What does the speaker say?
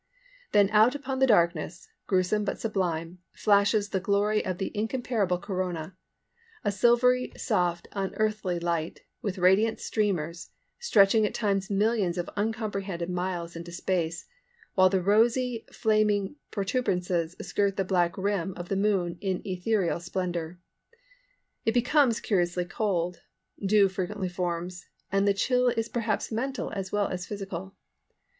Then out upon the darkness, gruesome but sublime, flashes the glory of the incomparable corona, a silvery, soft, unearthly light, with radiant streamers, stretching at times millions of uncomprehended miles into space, while the rosy, flaming protuberances skirt the black rim of the Moon in ethereal splendour. It becomes curiously cold, dew frequently forms, and the chill is perhaps mental as well as physical.